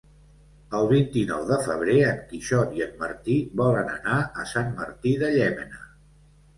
El vint-i-nou de febrer en Quixot i en Martí volen anar a Sant Martí de Llémena.